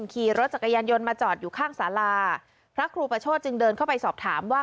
ขี่รถจักรยานยนต์มาจอดอยู่ข้างสาราพระครูประโชธจึงเดินเข้าไปสอบถามว่า